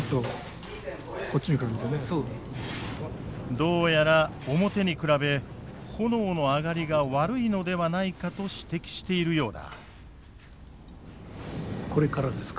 どうやら表に比べ炎の上がりが悪いのではないかと指摘しているようだ。